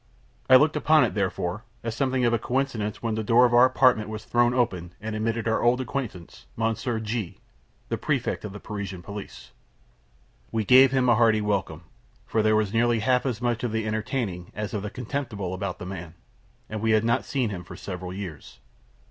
I looked upon it, therefore, as something of a coincidence, when the door of our apartment was thrown open and admitted our old acquaintance, Monsieur G , the Prefect of the Parisian police. We gave him a hearty welcome; for there was nearly half as much of the entertaining as of the contemptible about the man, and we had not seen him for several years.